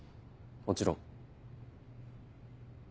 もちろん。